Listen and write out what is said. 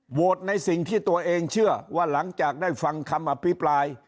ในสิ่งที่ตัวเองเชื่อว่าหลังจากได้ฟังคำอภิปราย